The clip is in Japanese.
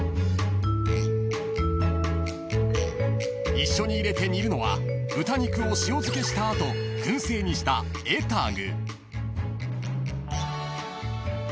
［一緒に入れて煮るのは豚肉を塩漬けした後薫製にしたエタグ］